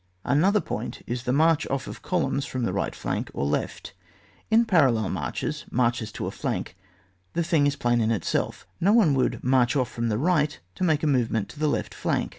Another point is the march ofiP of columns from the right flank or left. In parallel marches (marches to a flank) the thing is plain in itself. No one would march off from the right to make a movement to the left flank.